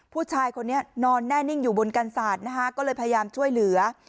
ผู้ชายคนนี้นอนแน่นิ่งอยู่บนกันศาสตร์นะคะก็เลยพยายามช่วยเหลือ